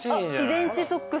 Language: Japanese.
遺伝子ソックス。